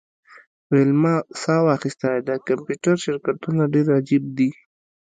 ویلما ساه واخیسته د کمپیوټر شرکتونه ډیر عجیب دي